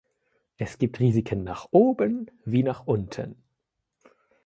Es gibt Risiken nach oben wie nach unten.